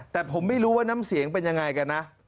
แต่ผมไม่รู้ว่าน้ำเสียงเป็นยังไงกันนะ